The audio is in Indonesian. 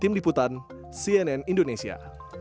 tim liputan cnn indonesia